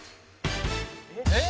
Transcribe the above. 「えっ？」